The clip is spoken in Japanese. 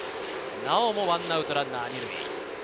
なおも１アウトランナー２塁。